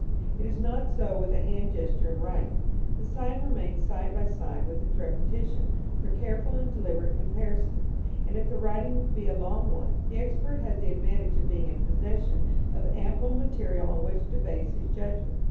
It is not so with a hand gesture in writing. The sign remains side by side with its repetition, for careful and deliberate comparison; and if the writing be a long one, the expert has the advantage of being in possession of ample material on which to base his judgment.